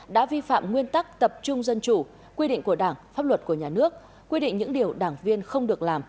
đã vi phạm nguyên tắc tập trung dân chủ quy định của đảng pháp luật của nhà nước quy định những điều đảng viên không được làm